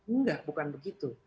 enggak bukan begitu